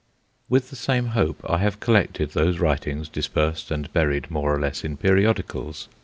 With the same hope I have collected those writings, dispersed and buried more or less in periodicals.